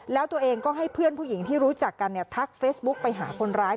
แล้วตัวเองก็ให้เพื่อนผู้หญิงที่รู้จักกันเนี่ยทักเฟซบุ๊กไปหาคนร้าย